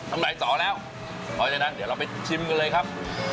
ทำไหนต่อแล้วรออยู่นะเดี๋ยวเราไปชิมกันเลยครับ